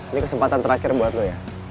ini kesempatan terakhir buat lo ya